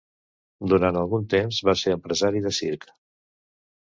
Durant algun temps va ser empresari de circ.